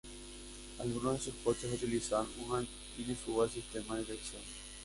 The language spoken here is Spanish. Algunos de sus coches utilizaban un inusual sistema de dirección.